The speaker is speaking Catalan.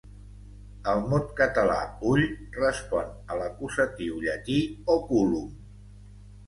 El mot català "ull" respon a l'acusatiu llatí "oculum".